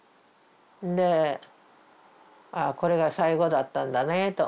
で「ああこれが最後だったんだね」と思って。